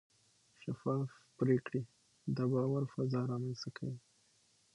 شفاف پریکړې د باور فضا رامنځته کوي.